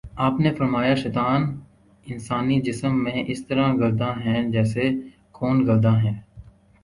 آپ نے فرمایا: شیطان انسانی جسم میں اسی طرح گرداں ہے جیسے خون گرداں ہے